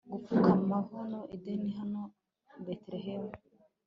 gupfukama. hano edeni, hano betelehemu